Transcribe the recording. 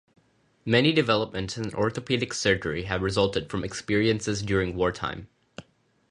Many developments in orthopedic surgery have resulted from experiences during wartime.